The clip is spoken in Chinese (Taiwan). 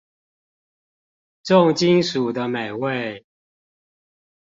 重金屬的美味